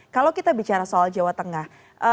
kalau kita bicara soal jawa tengah